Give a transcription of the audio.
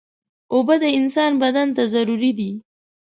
اوبه د انسان بدن ته ضروري دي.